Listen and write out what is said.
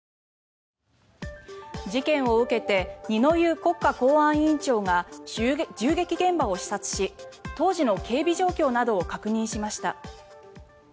事件を受けて二之湯国家公安委員長が銃撃現場を視察し当時の警備状況などを確認しました。